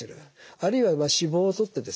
あるいは脂肪をとってですね